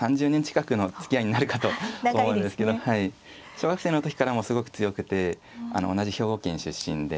小学生の時からもうすごく強くて同じ兵庫県出身で。